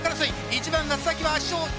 １番松崎は圧勝。